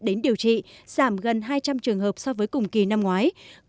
đến điều trị giảm gần hai trăm linh trường hợp so với các bệnh viện